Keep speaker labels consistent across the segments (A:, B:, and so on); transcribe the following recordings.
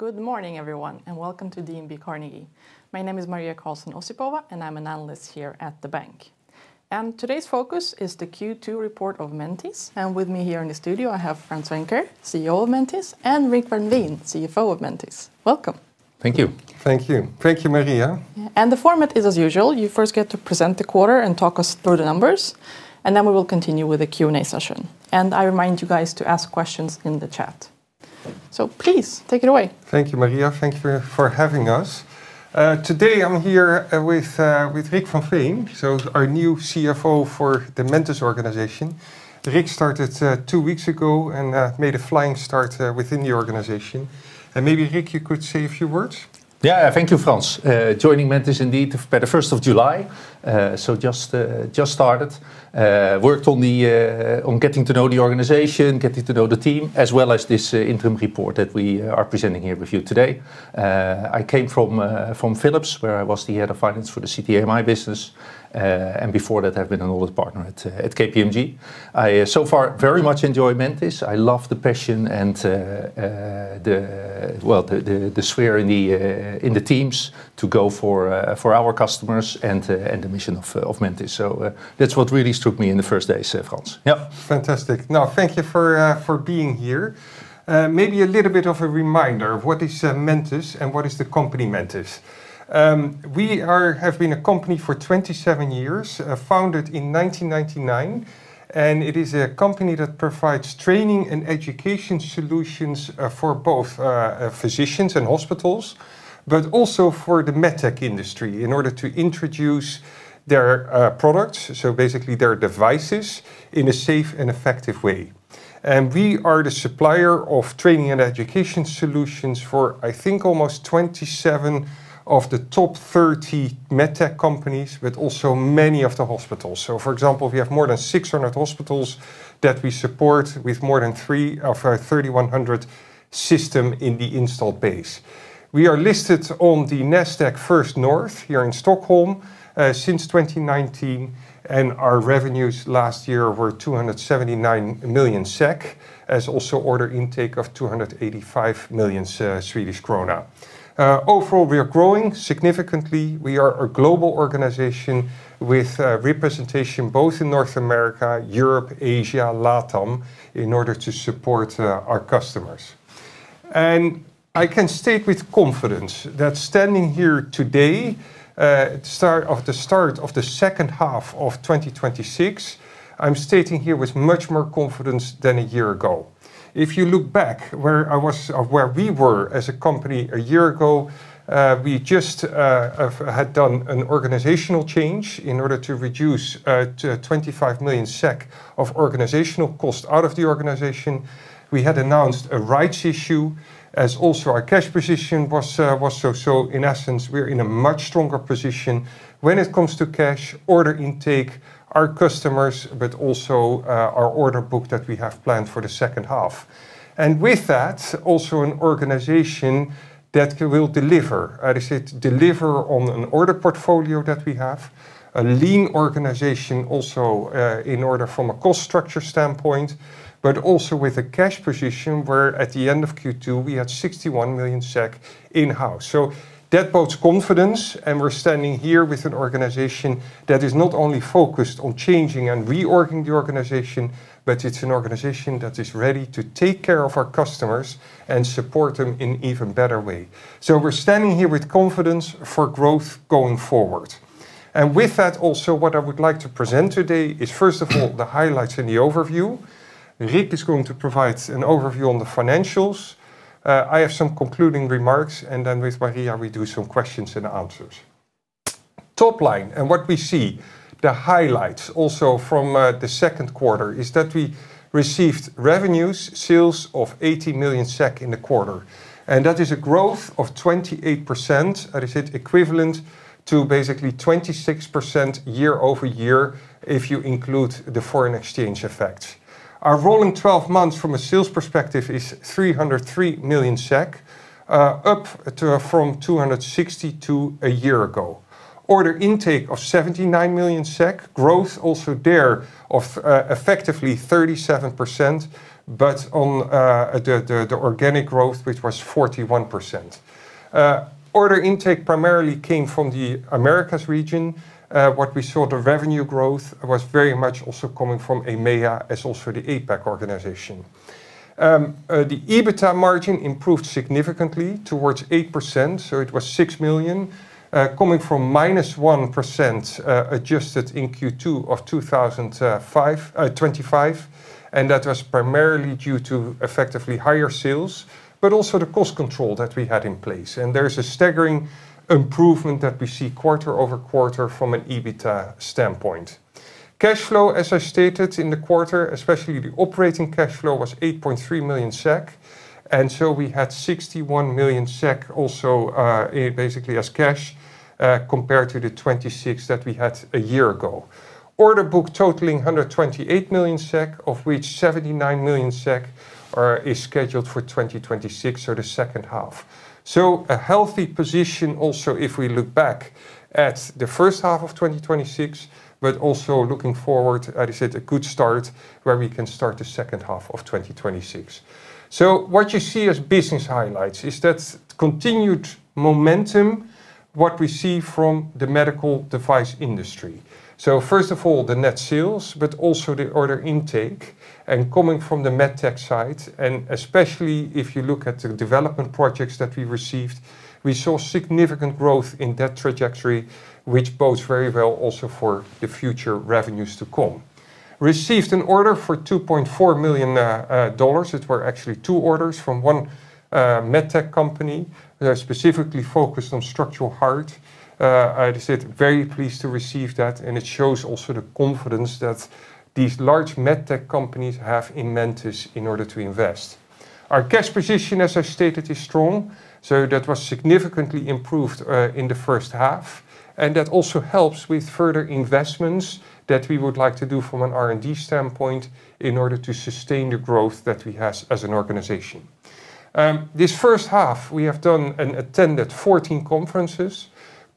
A: Good morning, everyone, welcome to DNB Carnegie. My name is Maria Karlsson Osipova, I am an analyst here at the bank. Today's focus is the Q2 report of Mentice. With me here in the studio, I have Frans Venker, CEO of Mentice, and Rick van Veen, CFO of Mentice. Welcome.
B: Thank you.
C: Thank you. Thank you, Maria.
A: The format is as usual. You first get to present the quarter and talk us through the numbers, then we will continue with a Q&A session. I remind you guys to ask questions in the chat. Please take it away.
C: Thank you, Maria. Thank you for having us. Today, I'm here with Rick van Veen, our new CFO for the Mentice organization. Rick started two weeks ago made a flying start within the organization. Maybe, Rick, you could say a few words.
B: Thank you, Frans. Joining Mentice indeed by the first of July, just started. Worked on getting to know the organization, getting to know the team, as well as this interim report that we are presenting here with you today. I came from Philips, where I was the head of finance for the CTAM business. Before that, I've been an audit partner at KPMG. I so far very much enjoy Mentice. I love the passion and the spirit in the teams to go for our customers and the mission of Mentice. That's what really struck me in the first days, Frans.
C: Fantastic. Thank you for being here. Maybe a little bit of a reminder of what is Mentice and what is the company Mentice. We have been a company for 27 years, founded in 1999, it is a company that provides training and education solutions for both physicians and hospitals, also for the MedTech industry in order to introduce their products, basically their devices, in a safe and effective way. We are the supplier of training and education solutions for, I think, almost 27 of the top 30 MedTech companies, also many of the hospitals. For example, we have more than 600 hospitals that we support with more than three of our 3,100 system in the install base. We are listed on the Nasdaq First North here in Stockholm since 2019, our revenues last year were 279 million SEK as also order intake of 285 million Swedish krona. Overall, we are growing significantly. We are a global organization with representation both in North America, Europe, Asia, LATAM, in order to support our customers. I can state with confidence that standing here today at the start of the second half of 2026, I'm stating here with much more confidence than a year ago. If you look back where we were as a company a year ago, we just had done an organizational change in order to reduce 25 million SEK of organizational cost out of the organization. We had announced a rights issue, as also our cash position was so. In essence, we're in a much stronger position when it comes to cash, order intake, our customers, but also our order book that we have planned for the second half. With that, also an organization that will deliver. That is it, deliver on an order portfolio that we have, a lean organization also in order from a cost structure standpoint, but also with a cash position where at the end of Q2, we had 61 million SEK in-house. That bodes confidence, and we're standing here with an organization that is not only focused on changing and reorging the organization, but it's an organization that is ready to take care of our customers and support them in even better way. We're standing here with confidence for growth going forward. With that also, what I would like to present today is, first of all, the highlights and the overview. Rick is going to provide an overview on the financials. I have some concluding remarks, and then with Maria, we do some questions and answers. Top line and what we see, the highlights also from the second quarter is that we received revenues, sales of 80 million SEK in the quarter, and that is a growth of 28%, equivalent to basically 26% year-over-year if you include the foreign exchange effect. Our rolling 12 months from a sales perspective is 303 million SEK, up from 262 a year ago. Order intake of 79 million SEK, growth also there of effectively 37%, but on the organic growth, which was 41%. Order intake primarily came from the Americas region. What we saw the revenue growth was very much also coming from EMEA as also the APAC organization. The EBITA margin improved significantly towards 8%, so it was 6 million, coming from -1% adjusted in Q2 of 2025, and that was primarily due to effectively higher sales, but also the cost control that we had in place. There is a staggering improvement that we see quarter-over-quarter from an EBITA standpoint. Cash flow, as I stated in the quarter, especially the operating cash flow, was 8.3 million SEK, so we had 61 million SEK also basically as cash compared to the 26 million that we had a year ago. Order book totaling 128 million SEK, of which 79 million SEK is scheduled for 2026, so the second half. A healthy position also if we look back at the first half of 2026, but also looking forward, as I said, a good start where we can start the second half of 2026. What you see as business highlights is that continued momentum, what we see from the medical device industry. First of all, the net sales, but also the order intake and coming from the MedTech side, and especially if you look at the development projects that we received, we saw significant growth in that trajectory, which bodes very well also for the future revenues to come. Received an order for $2.4 million. It were actually two orders from one MedTech company. They are specifically focused on structural heart. I said, very pleased to receive that, and it shows also the confidence that these large MedTech companies have in Mentice in order to invest. Our cash position, as I stated, is strong. That was significantly improved in the first half, and that also helps with further investments that we would like to do from an R&D standpoint in order to sustain the growth that we have as an organization. This first half, we have done and attended 14 conferences.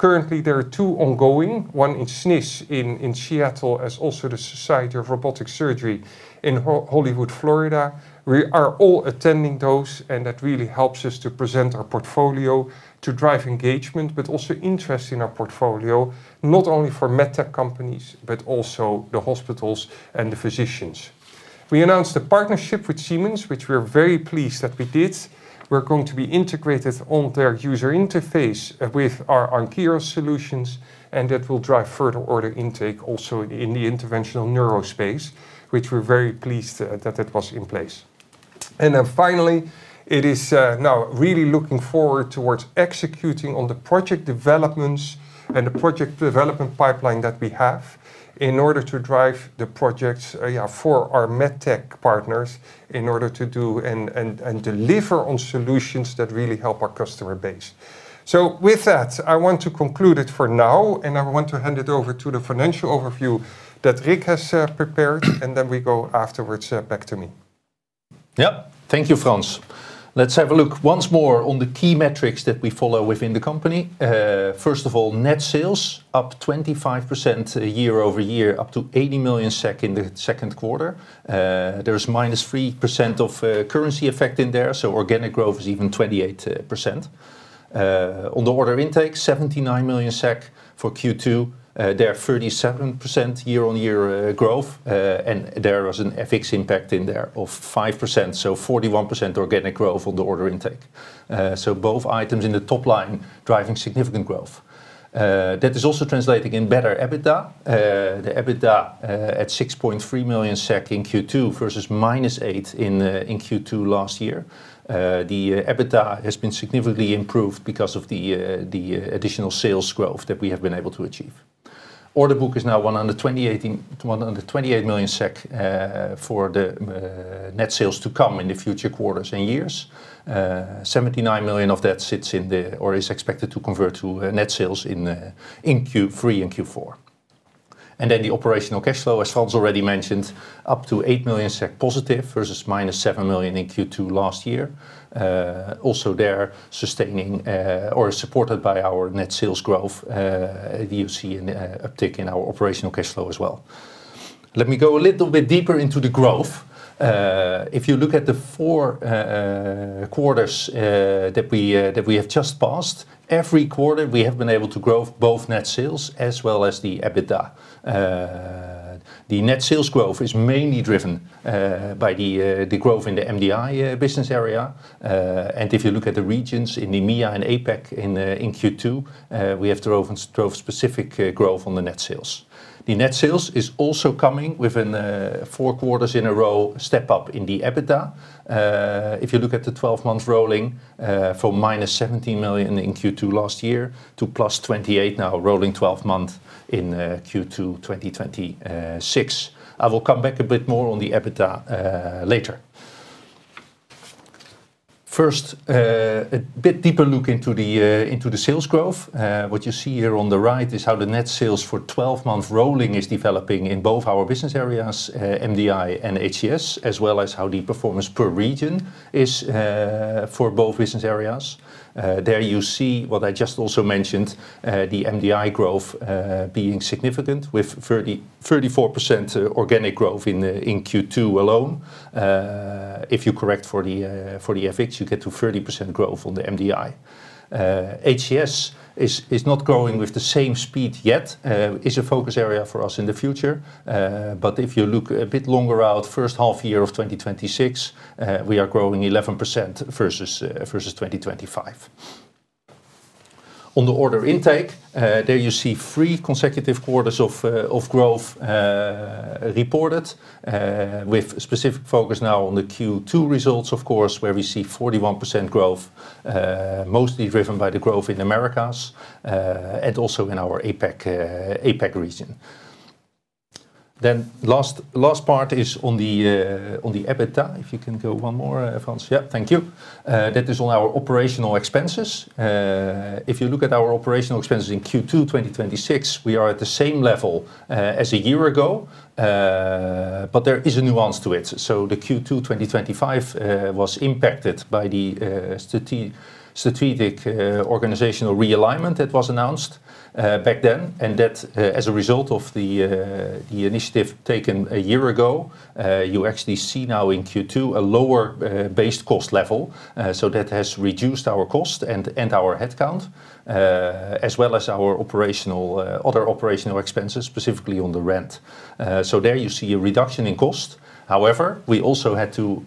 C: Currently, there are two ongoing, one in SNIS in Seattle, as also the Society of Robotic Surgery in Hollywood, Florida. We are all attending those, and that really helps us to present our portfolio to drive engagement, but also interest in our portfolio, not only for MedTech companies, but also the hospitals and the physicians. We announced a partnership with Siemens, which we are very pleased that we did. We are going to be integrated on their user interface with our Ankyras solutions, and that will drive further order intake also in the interventional neuro space, which we are very pleased that that was in place. Then finally, it is now really looking forward towards executing on the project developments and the project development pipeline that we have in order to drive the projects for our MedTech partners in order to do and deliver on solutions that really help our customer base. With that, I want to conclude it for now, and I want to hand it over to the financial overview that Rick has prepared, and then we go afterwards back to me.
B: Yep. Thank you, Frans Venker. Let's have a look once more on the key metrics that we follow within the company. First of all, net sales up 25% year-over-year, up to 80 million SEK in the second quarter. There is -3% currency effect in there, so organic growth is even 28%. On the order intake, 79 million SEK for Q2. There, 37% year-on-year growth. And there was an FX impact in there of 5%, so 41% organic growth on the order intake. Both items in the top line driving significant growth. That is also translating in better EBITDA. The EBITDA at 6.3 million SEK in Q2 versus -8 million in Q2 last year. The EBITDA has been significantly improved because of the additional sales growth that we have been able to achieve. Order book is now 128 million SEK for the net sales to come in the future quarters and years. 79 million of that sits in the or is expected to convert to net sales in Q3 and Q4. And then the operational cash flow, as Frans Venker already mentioned, up to 8 million SEK positive versus -7 million in Q2 last year. Also there, sustaining or supported by our net sales growth, you see an uptick in our operational cash flow as well. Let me go a little bit deeper into the growth. If you look at the four quarters that we have just passed, every quarter, we have been able to grow both net sales as well as the EBITDA. The net sales growth is mainly driven by the growth in the MDI business area. If you look at the regions in EMEA and APAC in Q2, we have drove specific growth on the net sales. The net sales is also coming within four quarters in a row, step up in the EBITDA. If you look at the 12 months rolling, from -17 million in Q2 last year to +28 million now rolling 12 months in Q2 2026. I will come back a bit more on the EBITDA later. First, a bit deeper look into the sales growth. What you see here on the right is how the net sales for 12 months rolling is developing in both our business areas, MDI and HCS, as well as how the performance per region is for both business areas. There you see what I just also mentioned, the MDI growth being significant with 34% organic growth in Q2 alone. If you correct for the FX, you get to 30% growth on the MDI. HCS is not growing with the same speed yet. It's a focus area for us in the future. If you look a bit longer out, first half year of 2026, we are growing 11% versus 2025. On the order intake, there you see three consecutive quarters of growth reported with specific focus now on the Q2 results, of course, where we see 41% growth, mostly driven by the growth in Americas, and also in our APAC region. Last part is on the EBITDA. If you can go one more, Frans. Thank you. That is on our operational expenses. If you look at our operational expenses in Q2 2026, we are at the same level as a year ago, but there is a nuance to it. The Q2 2025, was impacted by the strategic organizational realignment that was announced back then, and that as a result of the initiative taken a year ago, you actually see now in Q2 a lower base cost level. That has reduced our cost and our headcount, as well as our other operational expenses, specifically on the rent. There you see a reduction in cost. However, we also had to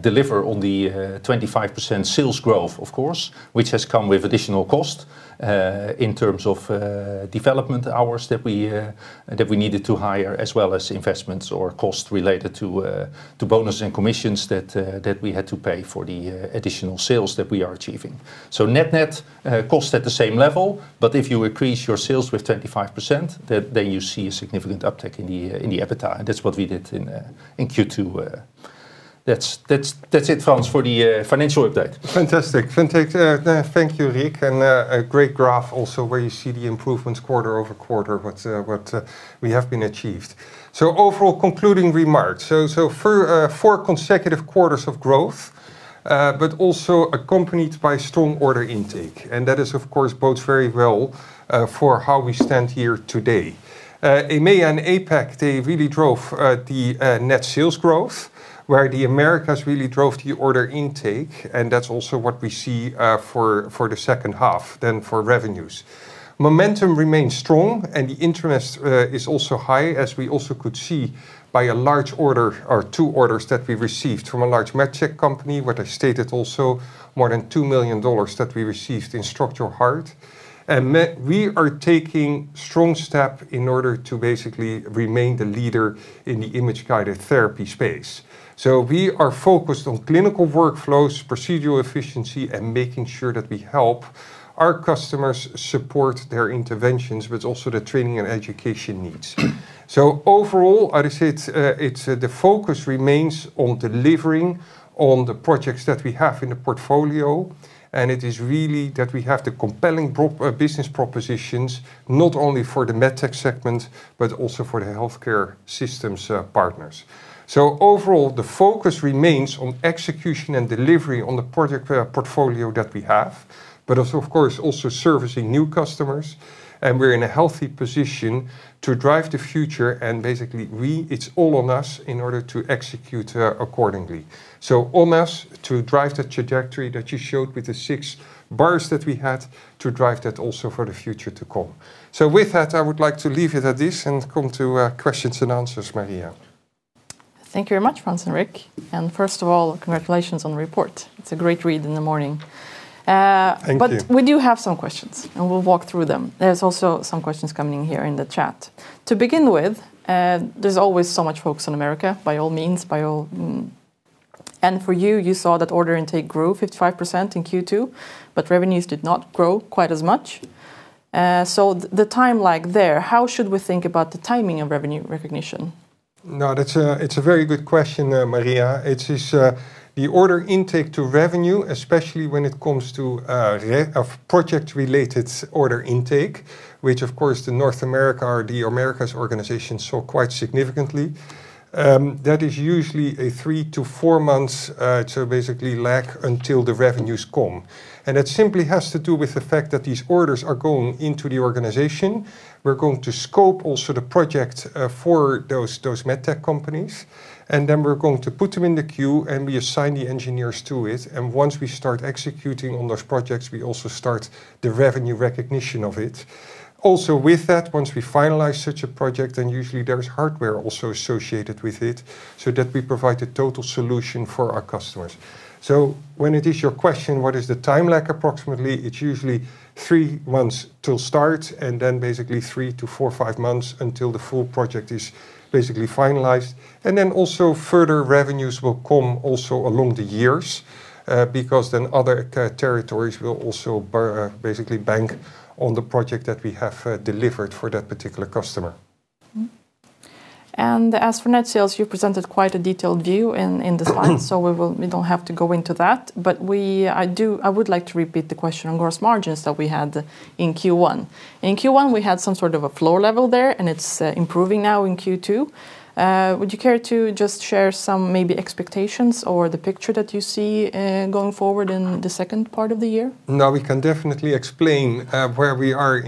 B: deliver on the 25% sales growth of course, which has come with additional cost, in terms of development hours that we needed to hire, as well as investments or cost related to bonus and commissions that we had to pay for the additional sales that we are achieving. Net-net, cost at the same level, but if you increase your sales with 35%, then you see a significant uptick in the EBITDA, and that's what we did in Q2. That's it, Frans, for the financial update.
C: Fantastic. Thank you, Rick, and a great graph also where you see the improvements quarter-over-quarter, what we have been achieved. Overall concluding remarks. Four consecutive quarters of growth, but also accompanied by strong order intake. That of course bodes very well for how we stand here today. EMEA and APAC, they really drove the net sales growth, where the Americas really drove the order intake, and that's also what we see for the second half then for revenues. Momentum remains strong and the interest is also high, as we also could see by a large order, or two orders that we received from a large med tech company, what I stated also, more than $2 million that we received in structural heart. We are taking strong step in order to basically remain the leader in the image-guided therapy space. We are focused on clinical workflows, procedural efficiency, and making sure that we help our customers support their interventions, but also the training and education needs. Overall, I would say, the focus remains on delivering on the projects that we have in the portfolio, and it is really that we have the compelling business propositions, not only for the med tech segment, but also for the healthcare systems partners. Overall, the focus remains on execution and delivery on the project portfolio that we have, but of course, also servicing new customers. We're in a healthy position to drive the future and basically it's all on us in order to execute accordingly. On us to drive the trajectory that you showed with the six bars that we had to drive that also for the future to come. With that, I would like to leave it at this and come to questions and answers, Maria.
A: Thank you very much, Frans and Rick. First of all, congratulations on the report. It's a great read in the morning.
C: Thank you.
A: We do have some questions, and we'll walk through them. There's also some questions coming in here in the chat. To begin with, there's always so much focus on America, by all means. For you saw that order intake grew 55% in Q2, but revenues did not grow quite as much. The time lag there, how should we think about the timing of revenue recognition?
C: That's a very good question, Maria. It is the order intake to revenue, especially when it comes to project-related order intake, which of course the North America or the Americas organization saw quite significantly. That is usually a 3 to 4 months lag until the revenues come. That simply has to do with the fact that these orders are going into the organization. We're going to scope also the project for those med tech companies. Then we're going to put them in the queue, and we assign the engineers to it. Once we start executing on those projects, we also start the revenue recognition of it. Also with that, once we finalize such a project, then usually there is hardware also associated with it, so that we provide a total solution for our customers. When it is your question, what is the time lag approximately? It's usually 3 months till start, and then 3 to 4 or 5 months until the full project is finalized. Also further revenues will come also along the years, because then other territories will also bank on the project that we have delivered for that particular customer.
A: As for net sales, you presented quite a detailed view in the slides. We don't have to go into that. I would like to repeat the question on gross margins that we had in Q1. In Q1, we had some sort of a floor level there, and it's improving now in Q2. Would you care to just share some maybe expectations or the picture that you see going forward in the second part of the year?
C: We can definitely explain where we are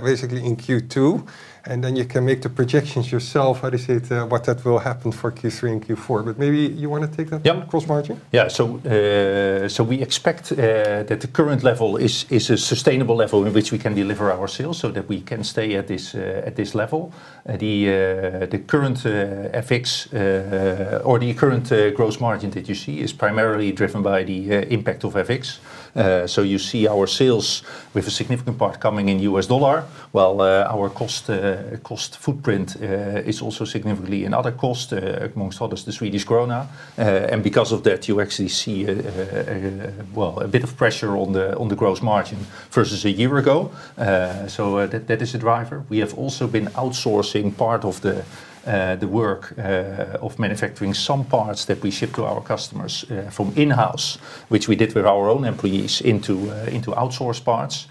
C: basically in Q2. Then you can make the projections yourself, how to say it, what that will happen for Q3 and Q4. Maybe you want to take that.
B: Yeah
C: Gross margin?
B: We expect that the current level is a sustainable level in which we can deliver our sales so that we can stay at this level. The current FX, or the current gross margin that you see is primarily driven by the impact of FX. You see our sales with a significant part coming in US dollar, while our cost footprint is also significantly in other cost, amongst others, the Swedish krona. Because of that, you actually see a bit of pressure on the gross margin versus a year ago. That is a driver. We have also been outsourcing part of the work of manufacturing some parts that we ship to our customers from in-house, which we did with our own employees into outsourced parts.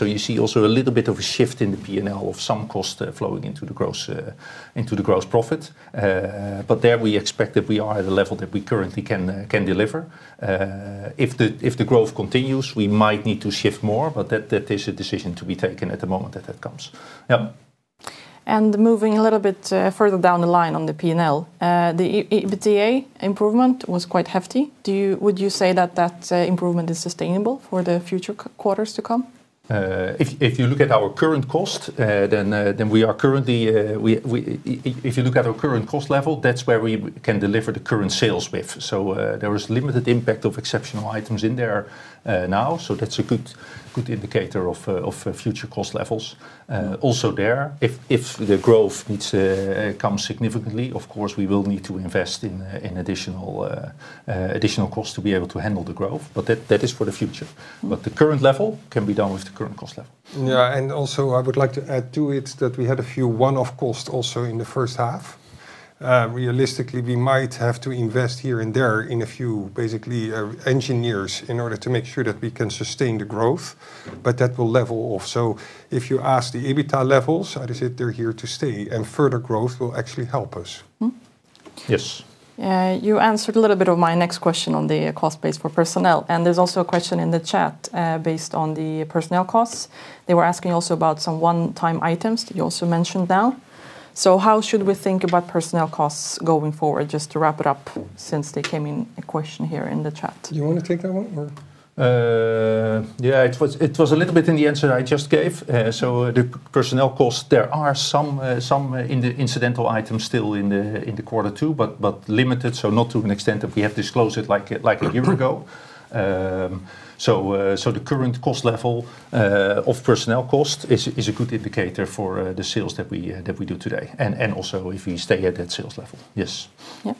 B: You see also a little bit of a shift in the P&L of some cost flowing into the gross profit. There, we expect that we are at a level that we currently can deliver. If the growth continues, we might need to shift more, but that is a decision to be taken at the moment that that comes.
A: Moving a little bit further down the line on the P&L, the EBITDA improvement was quite hefty. Would you say that improvement is sustainable for the future quarters to come?
B: If you look at our current cost level, that's where we can deliver the current sales with. There is limited impact of exceptional items in there now. That's a good indicator of future cost levels. Also there, if the growth needs to come significantly, of course, we will need to invest in additional cost to be able to handle the growth, but that is for the future. The current level can be done with the current cost level.
C: Also I would like to add to it that we had a few one-off cost also in the first half. Realistically, we might have to invest here and there in a few basically, engineers in order to make sure that we can sustain the growth. That will level off. If you ask the EBITDA levels, I would say they're here to stay, and further growth will actually help us.
B: Yes.
A: You answered a little bit of my next question on the cost base for personnel, and there's also a question in the chat, based on the personnel costs. They were asking also about some one-time items that you also mentioned now. How should we think about personnel costs going forward? Just to wrap it up since they came in a question here in the chat.
C: Do you want to take that one?
B: Yeah, it was a little bit in the answer I just gave. The personnel costs, there are some incidental items still in the quarter two, but limited, not to an extent that we have disclosed it like a year ago. The current cost level of personnel cost is a good indicator for the sales that we do today. Also if we stay at that sales level. Yes.
A: Yep.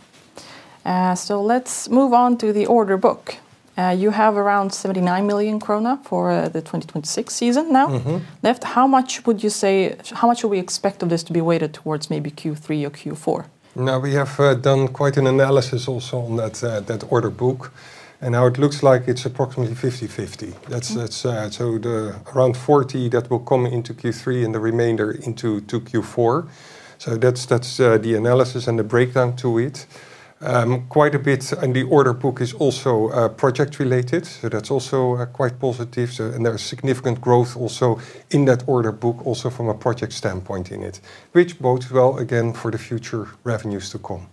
A: Let's move on to the order book. You have around 79 million krona for the 2026 season now left. How much should we expect of this to be weighted towards maybe Q3 or Q4?
C: We have done quite an analysis also on that order book. It looks like it's approximately 50/50. Around 40 that will come into Q3 and the remainder into Q4. That's the analysis and the breakdown to it. Quite a bit in the order book is also project related, so that's also quite positive. There is significant growth also in that order book, also from a project standpoint in it. Which bodes well again for the future revenues to come.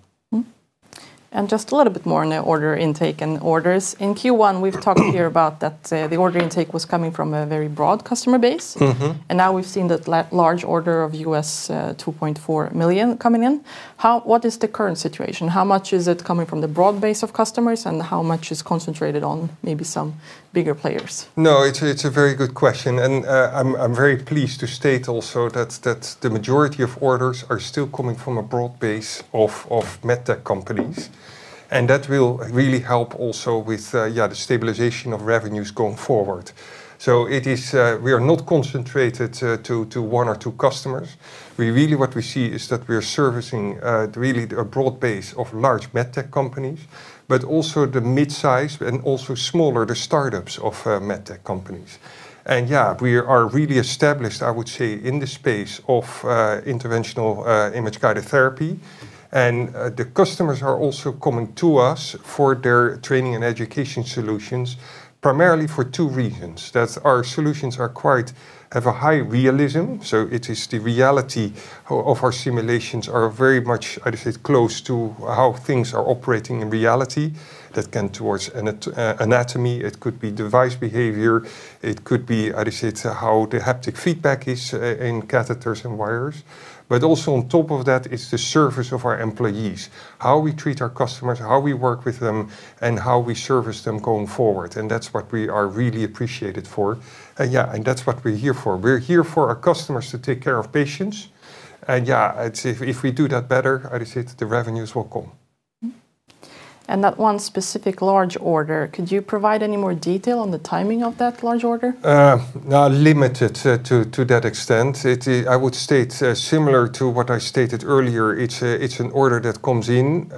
A: Just a little bit more on the order intake and orders. In Q1, we've talked here about that the order intake was coming from a very broad customer base. Now we've seen that large order of $2.4 million coming in. What is the current situation? How much is it coming from the broad base of customers, and how much is concentrated on maybe some bigger players?
C: No, it's a very good question, I'm very pleased to state also that the majority of orders are still coming from a broad base of med tech companies, that will really help also with the stabilization of revenues going forward. We are not concentrated to one or two customers. Really what we see is that we are servicing a broad base of large med tech companies, but also the mid-size and also smaller, the startups of med tech companies. We are really established, I would say, in the space of interventional image-guided therapy. The customers are also coming to us for their training and education solutions, primarily for two reasons. That our solutions have a high realism. It is the reality of our simulations are very much close to how things are operating in reality that can towards anatomy, it could be device behavior, it could be how the haptic feedback is in catheters and wires. Also on top of that is the service of our employees. How we treat our customers, how we work with them, and how we service them going forward. That's what we are really appreciated for. That's what we're here for. We're here for our customers to take care of patients. If we do that better, I would say that the revenues will come.
A: That one specific large order, could you provide any more detail on the timing of that large order?
C: Not limited to that extent. I would state, similar to what I stated earlier, it's an order that comes in.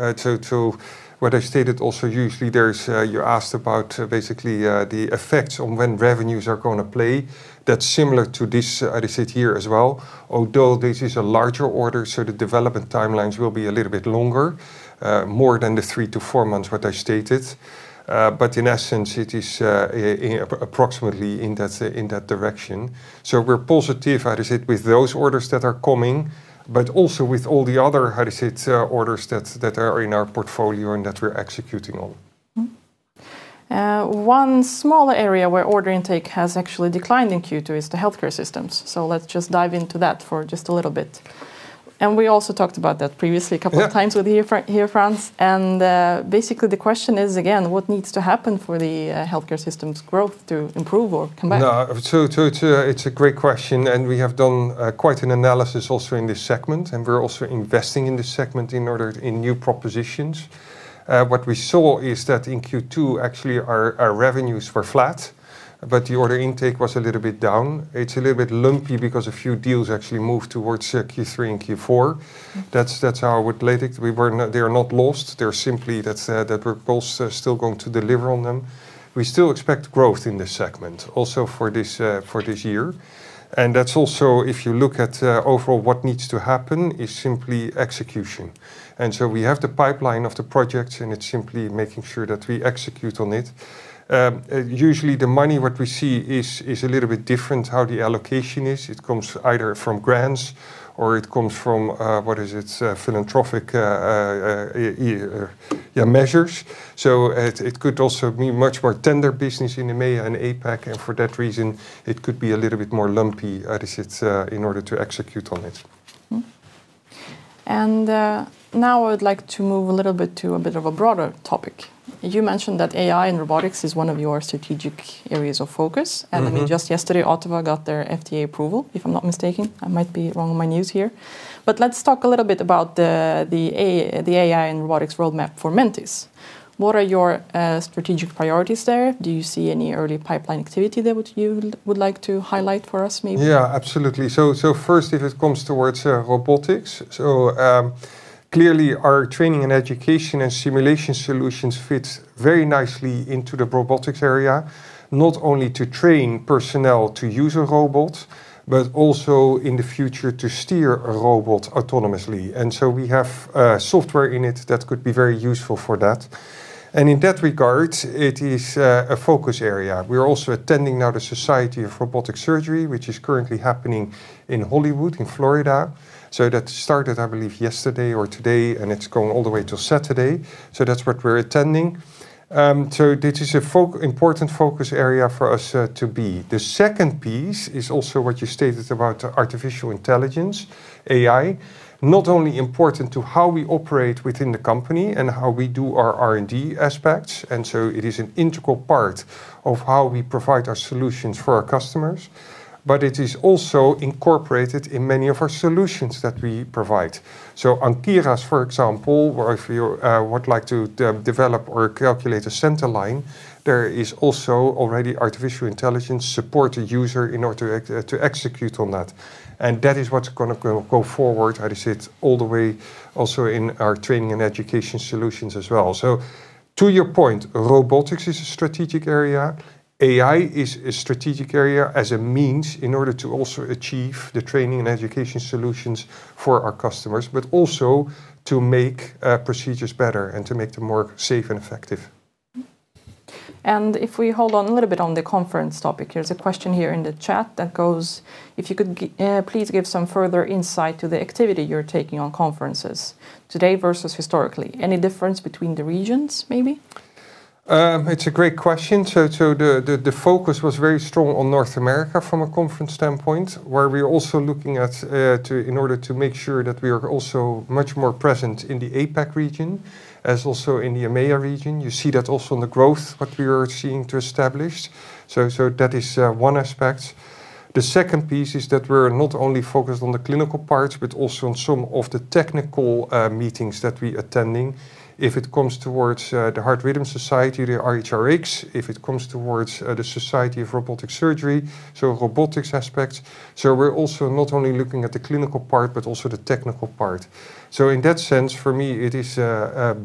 C: What I stated also, usually you're asked about basically, the effects on when revenues are going to play. That's similar to this, I would say, here as well, although this is a larger order, the development timelines will be a little bit longer, more than the three to four months what I stated. In essence, it is approximately in that direction. We're positive with those orders that are coming, but also with all the other orders that are in our portfolio and that we're executing on.
A: One smaller area where order intake has actually declined in Q2 is the healthcare systems. Let's just dive into that for just a little bit. We also talked about that previously a couple of times.
C: Yeah
A: With you Frans. Basically, the question is, again, what needs to happen for the healthcare systems growth to improve or come back?
C: It's a great question, we have done quite an analysis also in this segment, and we're also investing in this segment in new propositions. What we saw is that in Q2, actually, our revenues were flat, the order intake was a little bit down. It's a little bit lumpy because a few deals actually moved towards Q3 and Q4. They are not lost. We're also still going to deliver on them. We still expect growth in this segment also for this year. That's also, if you look at overall what needs to happen, is simply execution. We have the pipeline of the projects, and it's simply making sure that we execute on it. Usually, the money, what we see is a little bit different, how the allocation is. It comes either from grants or it comes from philanthropic measures. It could also be much more tender business in the EMEA and APAC, and for that reason, it could be a little bit more lumpy in order to execute on it.
A: Now I would like to move a little bit to a bit of a broader topic. You mentioned that AI and robotics is one of your strategic areas of focus. Just yesterday, Ottava got their FDA approval, if I'm not mistaken. I might be wrong on my news here. Let's talk a little bit about the AI and robotics roadmap for Mentice. What are your strategic priorities there? Do you see any early pipeline activity that you would like to highlight for us, maybe?
C: Yeah, absolutely. First, if it comes towards robotics. Clearly, our training and education and simulation solutions fits very nicely into the robotics area. Not only to train personnel to use a robot, but also in the future to steer a robot autonomously. We have software in it that could be very useful for that. In that regard, it is a focus area. We are also attending now the Society of Robotic Surgery, which is currently happening in Hollywood, in Florida. That started, I believe, yesterday or today, and it's going all the way till Saturday. That's what we're attending. This is an important focus area for us to be. The second piece is also what you stated about artificial intelligence, AI. Not only important to how we operate within the company and how we do our R&D aspects. It is an integral part of how we provide our solutions for our customers, but it is also incorporated in many of our solutions that we provide. On Ankyras, for example, where if you would like to develop or calculate a center line, there is also already artificial intelligence support a user in order to execute on that. That is what's going to go forward, how do you say it? All the way also in our training and education solutions as well. To your point, robotics is a strategic area. AI is a strategic area as a means in order to also achieve the training and education solutions for our customers. Also to make procedures better and to make them more safe and effective.
A: If we hold on a little bit on the conference topic, there's a question here in the chat that goes, "If you could please give some further insight to the activity you're taking on conferences today versus historically. Any difference between the regions maybe?
C: It's a great question. The focus was very strong on North America from a conference standpoint, where we're also looking at, in order to make sure that we are also much more present in the APAC region as also in the EMEA region. You see that also in the growth, what we are seeing to establish. That is one aspect. The second piece is that we're not only focused on the clinical parts, but also on some of the technical meetings that we attending. If it comes towards the Heart Rhythm Society, the HRX, if it comes towards the Society of Robotic Surgery, so robotics aspects. We're also not only looking at the clinical part, but also the technical part. In that sense, for me, it is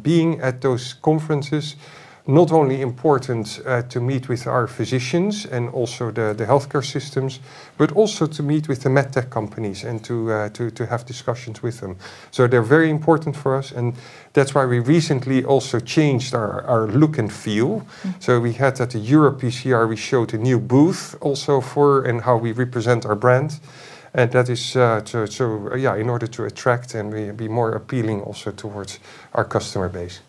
C: being at those conferences, not only important to meet with our physicians and also the healthcare systems, but also to meet with the MedTech companies and to have discussions with them. They're very important for us, and that's why we recently also changed our look and feel. We had at EuroPCR, we showed a new booth also for, and how we represent our brand. That is in order to attract and be more appealing also towards our customer base.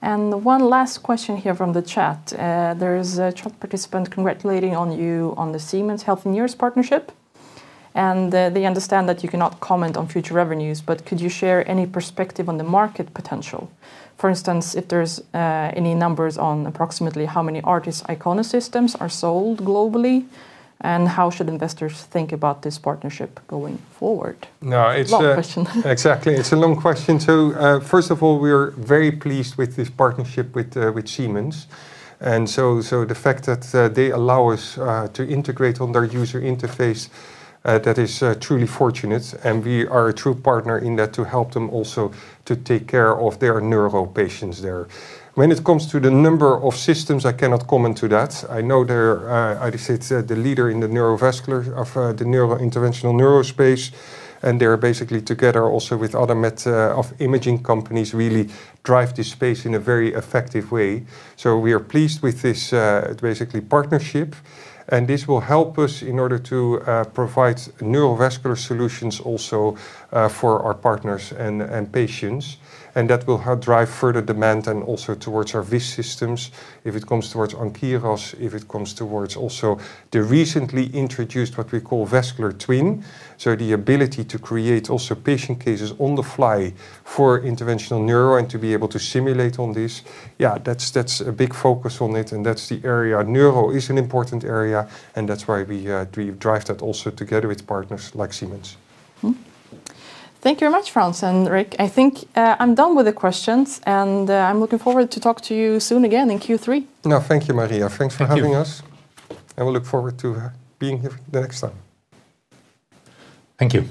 A: One last question here from the chat. There is a chat participant congratulating on you on the Siemens Healthineers partnership, and they understand that you cannot comment on future revenues, but could you share any perspective on the market potential? For instance, if there's any numbers on approximately how many ARTIS icono systems are sold globally, and how should investors think about this partnership going forward?
C: No, it's
A: Long question
C: Exactly. It's a long question. First of all, we are very pleased with this partnership with Siemens. The fact that they allow us to integrate on their user interface, that is truly fortunate, and we are a true partner in that to help them also to take care of their neuro patients there. When it comes to the number of systems, I cannot comment to that. I know they're, how do you say it? The leader in the neurovascular of the neurointerventional neuro space, and they are basically together also with other imaging companies really drive this space in a very effective way. We are pleased with this basically partnership. This will help us in order to provide neurovascular solutions also for our partners and patients. That will help drive further demand and also towards our VIST systems if it comes towards on Ankyras, if it comes towards also the recently introduced what we call Vascular Twin. The ability to create also patient cases on the fly for interventional neuro and to be able to simulate on this. Yeah, that's a big focus on it, and that's the area. Neuro is an important area, and that's why we drive that also together with partners like Siemens.
A: Thank you very much, Frans and Rick. I think I'm done with the questions, I'm looking forward to talk to you soon again in Q3.
C: No, thank you, Maria.
B: Thank you.
C: Thanks for having us, and we look forward to being here the next time.
B: Thank you.